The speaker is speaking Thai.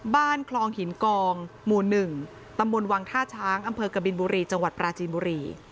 บ้านคลองหินกองหมู่๑ตำบลวังท่าช้างอำเภอกบินบุรีจังหวัดปราจีนบุรี